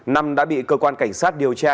năm đã bị cơ quan cảnh sát điều tra